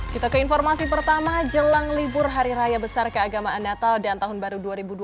kita ke informasi pertama jelang libur hari raya besar keagamaan natal dan tahun baru dua ribu dua puluh